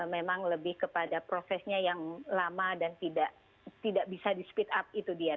memang lebih kepada prosesnya yang lama dan tidak bisa di speed up itu dia